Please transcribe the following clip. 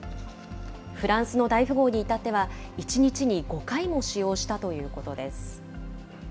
フランスの大富豪に至っては、１日に５回も使用したということです。